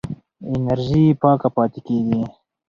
انرژي پاکه پاتې کېږي.